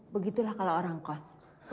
begitulah kalau orang kos